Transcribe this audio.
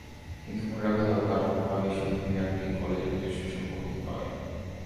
কিন্তু মনে রাখা দরকার, কোনোভাবেই শহীদ মিনারটি কলেজের নিজস্ব সম্পত্তি নয়।